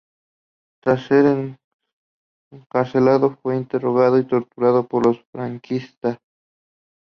Tras ser encarcelado, fue interrogado y torturado por los franquistas.